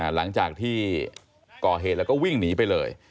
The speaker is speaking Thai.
หลังจากที่ก่อเหตุแล้วก็วิ่งหนีไปเลย